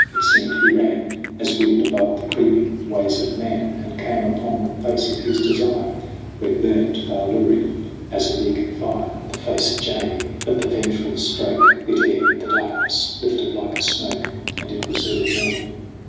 It seemed he ran As wind above the creeping ways of man, And came upon the place of his desire, Where burned, far luring as a beacon fire, 40 SONG OF HUGH GLASS The face of Jamie. But the vengeful stroke Bit air. The darkness lifted like a smoke And it was early morning.